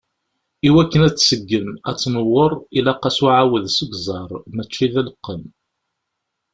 Iwakken ad tseggem, ad tnewweṛ, ilaq-as uɛawed seg uẓar, mačči d aleqqem.